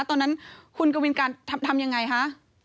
ตอนนั้นคุณกวินการทำยังไงคะ